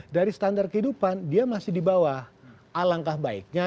dari standar kehidupan dia masih di bawah alangkah baiknya